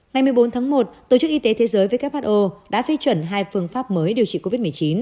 ngày một mươi bốn tháng một tổ chức y tế thế giới who đã phê chuẩn hai phương pháp mới điều trị covid một mươi chín